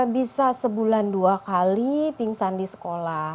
bisa sebulan dua kali pingsan di sekolah